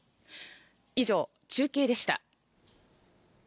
以上、中継でした。